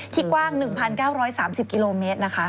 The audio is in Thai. กว้าง๑๙๓๐กิโลเมตรนะคะ